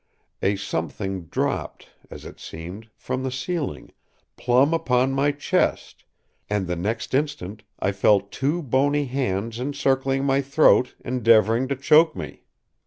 A Something dropped, as it seemed, from the ceiling, plumb upon my chest, and the next instant I felt two bony hands encircling my throat, endeavoring to choke me.